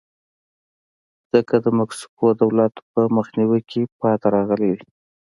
ځکه د مکسیکو دولت په مخنیوي کې پاتې راغلی دی.